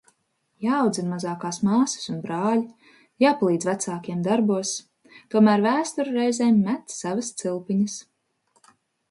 Jāaudzina mazākās māsas un brāļi. Jāpalīdz vecākiem darbos. Tomēr vēsture reizēm met savas cilpiņas.